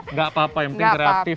nggak apa apa yang penting kreatif